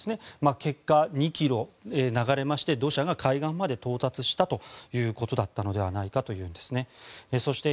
結果、２ｋｍ流れまして土砂が海岸まで到達したということだったのではないかということだったんです。